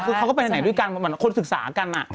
คือเขาก็ไปไหนด้วยกันเหมือนคนศึกษากัน